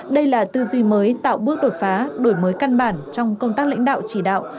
đây là tư duy mới tạo bước đột phá đổi mới căn bản trong công tác lãnh đạo chỉ đạo